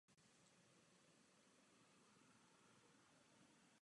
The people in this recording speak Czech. Pracovní knížka byla běžná v mnoha zemích.